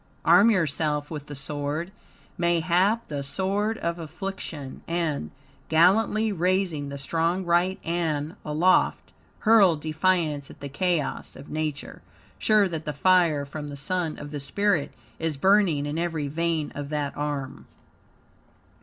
Arm yourself with the sword mayhap the sword of affliction and, gallantly raising the strong right ann aloft, hurl defiance at the chaos of Nature, sure that the fire from the Sun of the spirit is burning in every vein of that arm.